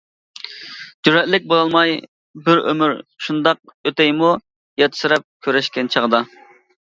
جۈرئەتلىك بولالماي بىر ئۆمۈر شۇنداق، ئۆتەيمۇ ياتسىراپ كۆرۈشكەن چاغدا.